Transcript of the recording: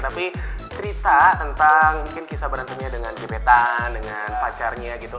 tapi cerita tentang mungkin kisah berhentinya dengan gimetan dengan pacarnya gitu